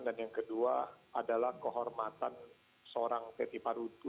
dan yang kedua adalah kehormatan seorang teti paruntu